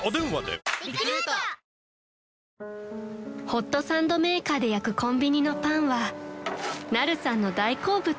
［ホットサンドメーカーで焼くコンビニのパンはナルさんの大好物］